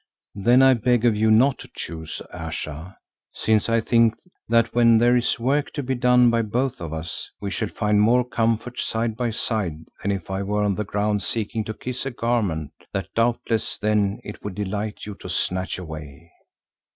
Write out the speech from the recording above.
"Then I beg of you not to choose, Ayesha, since I think that when there is work to be done by both of us, we shall find more comfort side by side than if I were on the ground seeking to kiss a garment that doubtless then it would delight you to snatch away."